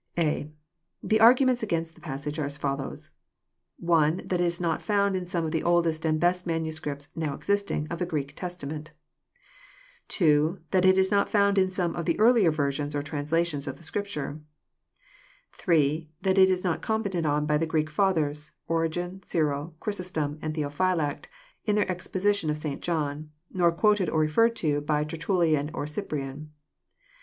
I A.] The arguments against the passage are as follows : (1) That it is not found in some of the oldest and best manu scripts, now existing, of the Greek Testament. (2) That it Is not found in some of the earlier versions or trsLslations of the Scriptures. (3) That it is not commented on by the Greek Fathers, Ori gen, Cyril, Chrysostom, and Theophylact, in their exposition of St. John ; nor quoted or referred to by TertuUian and Cyprian.